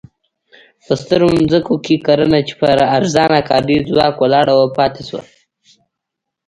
په سترو ځمکو کې کرنه چې پر ارزانه کاري ځواک ولاړه وه پاتې شوه.